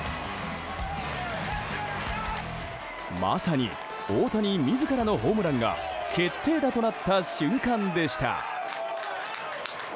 まさに大谷自らのホームランが決定打となった瞬間でした。